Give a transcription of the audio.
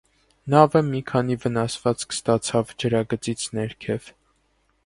Նավը մի քանի վնասվածք ստացավ ջրագծից ներքև։